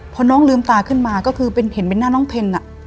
พอน้องลืมตาขึ้นมาก็คือเห็นเป็นหน้าน้องเพน